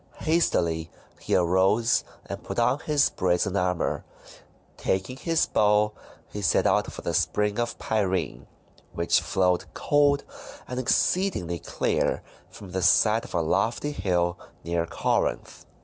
Hastily he arose and put on his brazen armor. Taking his bow he set out for the Spring of Pirene, which flowed cold and exceedingly clear from the side of a lofty hill near Corinth.